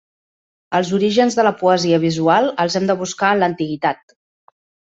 Els orígens de la Poesia Visual els hem de buscar en l'antiguitat.